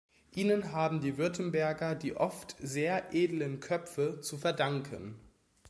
Ihnen haben die Württemberger die oft sehr edlen Köpfe zu verdanken.